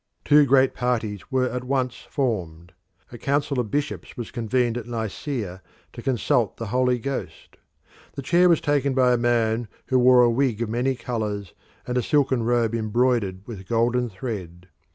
Two great parties were at once formed. A council of bishops was convened at Nicaea to consult the Holy Ghost. The chair was taken by a man who wore a wig of many colours and a silken robe embroidered with golden thread.